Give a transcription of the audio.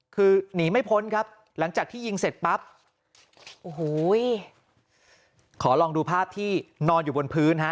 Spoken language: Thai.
คือหนีไม่พ้นครับหลังจากที่ยิงเสร็จปั๊บโอ้โหขอลองดูภาพที่นอนอยู่บนพื้นฮะ